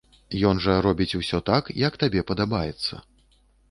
Ён жа робіць усё так, як табе падабаецца.